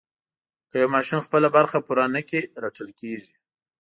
که یو ماشوم خپله برخه پوره نه کړي رټل کېږي.